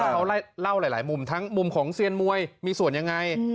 เขาเล่าหลายมุมทั้งมุมของเซียนมวยมีส่วนยังไง